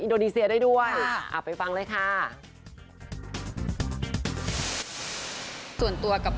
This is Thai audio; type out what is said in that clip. ออกงานอีเวนท์ครั้งแรกไปรับรางวัลเกี่ยวกับลูกทุ่ง